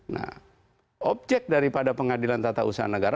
nah objek daripada pengadilan tata usaha negara